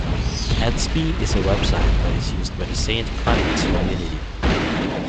Edsby is a website that is used by the Saint Clement's community.